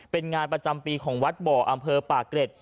เป็นงานประจำปีของวัดบ่ออำเภอป่าเกร็ด